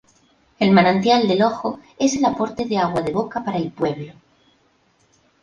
El Manantial del Ojo, es el aporte de agua de boca para el pueblo.